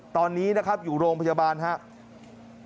ตอนนี้อยู่โรงพยาบาลครับ